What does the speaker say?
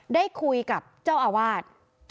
ได้คุยกับเจ้าอาวาส